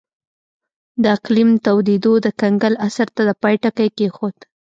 د اقلیم تودېدو د کنګل عصر ته د پای ټکی کېښود